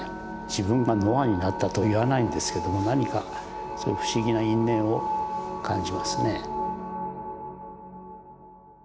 自分がノアになったとは言わないんですけども何かそういう不思議な因縁を感じますね。